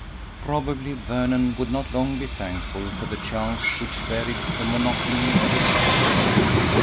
Probably Vernon would not long be thankful for the chance which varied the monotony of his days.